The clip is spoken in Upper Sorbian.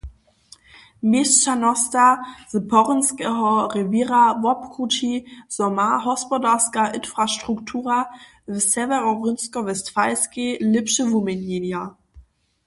Měšćanosta z porynskeho rewěra wobkrući, zo ma hospodarska infrastruktura w Sewjerorynsko-Westfalskej lěpše wuměnjenja.